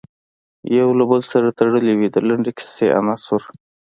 یو له بل سره تړلې وي د لنډې کیسې عناصر.